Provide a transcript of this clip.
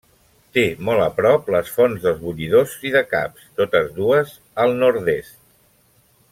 Té molt a prop les fonts dels Bullidors i de Caps, totes dues al nord-est.